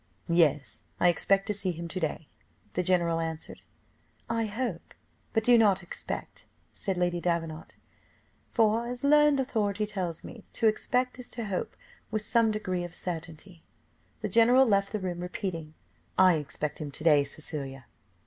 "Yes, I expect to see him to day," the general answered. "I hope, but do not expect," said Lady Davenant, "for, as learned authority tells me, 'to expect is to hope with some degree of certainty' " The general left the room repeating, "I expect him to day, Cecilia."